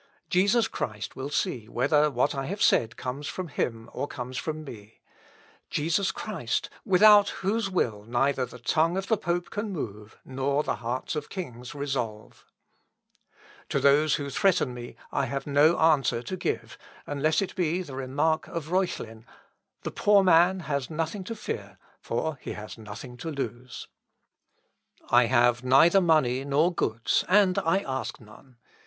Jesus Christ will see whether what I have said comes from him or comes from me Jesus Christ, without whose will neither the tongue of the pope can move, nor the hearts of kings resolve. His Solutions. "To those who threaten me I have no answer to give, unless it be the remark of Reuchlin, 'The poor man has nothing to fear, for he has nothing to lose.' I have neither money nor goods, and I ask none.